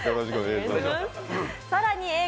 更にＡぇ！